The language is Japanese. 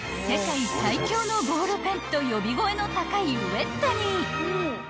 ［世界最強のボールペンと呼び声の高いウェットニー］